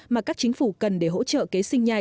mà các chính phủ cần để hỗ trợ kế sinh nhai